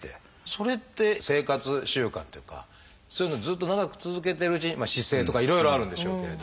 それって生活習慣というかそういうのをずっと長く続けてるうちに姿勢とかいろいろあるんでしょうけれど。